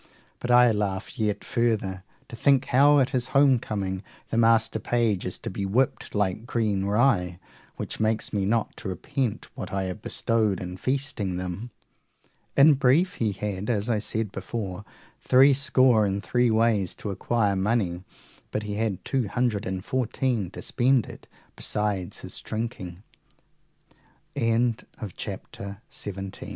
But I laugh yet further to think how at his home coming the master page is to be whipped like green rye, which makes me not to repent what I have bestowed in feasting them. In brief, he had, as I said before, three score and three ways to acquire money, but he had two hundred and fourteen to spend it, besides his drinking. Chapter 2.XVIII. How